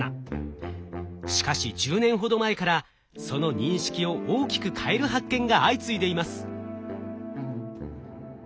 しかし１０年ほど前からその認識を大きく変える発見が相次いでいます。